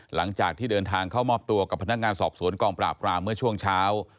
หลังจากที่เดินทางเข้ามอบตัวกับพนักงานสอบสวนกองปราบรามเมื่อช่วงเช้า